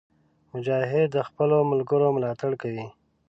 مجاهد د خپلو ملګرو ملاتړ کوي.